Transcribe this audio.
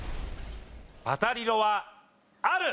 「パタリロ」はある！